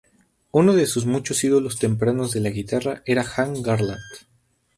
Uno de sus muchos ídolos tempranos de la guitarra era Hank Garland.